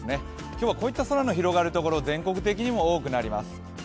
今日はこういった空が広がる所、全国的にも多くなってきます。